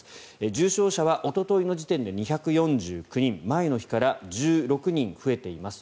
重症者はおとといの時点で２４９人前の日から１６人増えています。